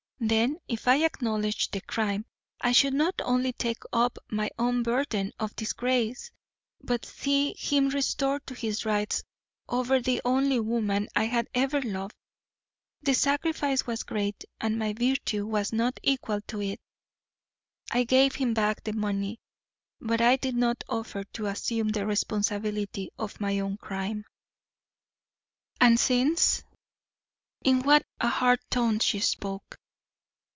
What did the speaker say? Then, if I acknowledged the crime I should not only take up my own burden of disgrace, but see him restored to his rights over the only woman I had ever loved. The sacrifice was great and my virtue was not equal to it. I gave him back the money, but I did not offer to assume the responsibility of my own crime." "And since?" In what a hard tone she spoke!